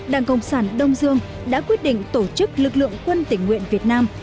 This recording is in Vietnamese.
đảng cộng sản đông dương đã quyết định tổ chức lực lượng quân tỉnh nguyện việt nam